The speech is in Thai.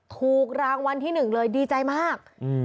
ถูกรางวัลที่หนึ่งเลยดีใจมาก